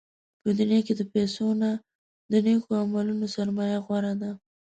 په دنیا کې د پیسو نه، د نېکو عملونو سرمایه غوره ده.